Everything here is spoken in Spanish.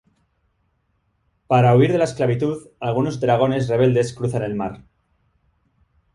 Para huir de la esclavitud, algunos dragones rebeldes cruzan el mar.